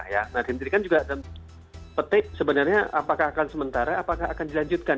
nah jadi kan juga petik sebenarnya apakah akan sementara apakah akan dilanjutkan